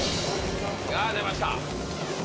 あぁ出ました。